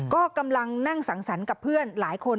ก็กำลังนั่งสังสรรค์กับเพื่อนหลายคน